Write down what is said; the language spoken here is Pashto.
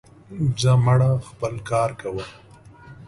زه مړه, خپل کار کوه.